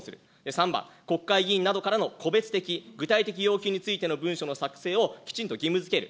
３番、国会議員などからの個別的具体的要求についての文書の作成をきちんと義務づける。